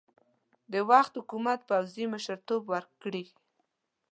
د وخت حکومت پوځي مشرتوب ورکړي.